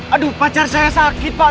aduh pacar saya sakit pak